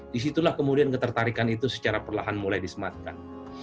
disitulah kemudian ketertarikan itu secara perlahan mulai disematkan